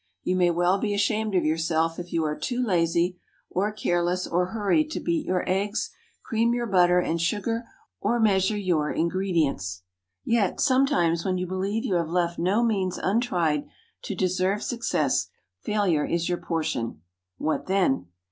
You may well be ashamed of yourself if you are too lazy, or careless, or hurried to beat your eggs, cream your butter and sugar, or measure your ingredients. Yet, sometimes, when you believe you have left no means untried to deserve success, failure is your portion. What then?